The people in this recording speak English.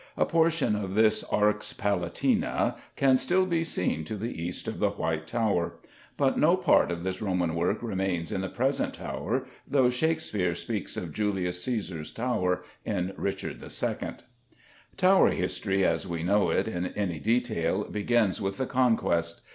A portion of this Arx Palatina can still be seen to the east of the White Tower. But no part of this Roman work remains in the present Tower, though Shakespeare speaks of Julius Cæsar's Tower in Richard II. Tower history, as we know it in any detail, begins with the Conquest.